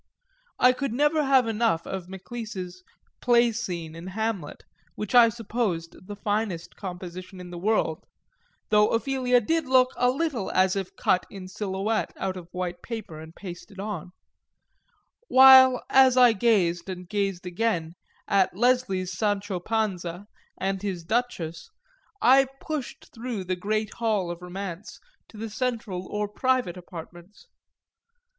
I could never have enough of Maclise's Play scene in Hamlet, which I supposed the finest composition in the world (though Ophelia did look a little as if cut in silhouette out of white paper and pasted on;) while as I gazed, and gazed again, at Leslie's Sancho Panza and his Duchess I pushed through the great hall of romance to the central or private apartments.